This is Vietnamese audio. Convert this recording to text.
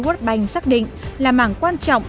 world bank xác định là mảng quan trọng